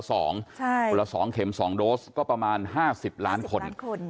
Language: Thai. คนละ๒เข็ม๒โดสก็ประมาณ๕๐ล้านคน